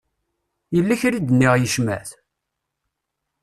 Yella kra i d-nniɣ yecmet?